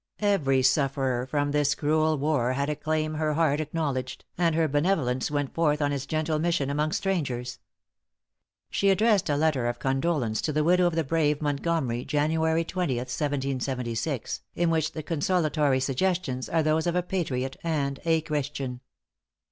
Every sufferer from this cruel war had a claim her heart acknowledged, and her benevolence went forth on its gentle mission among strangers. She addressed a letter of condolence to the widow of the brave Montgomery, Jan. 20th, 1776, in which the consolatory suggestions are those of a patriot and a Christian.